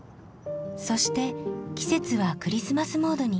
そして季節はクリスマスモードに。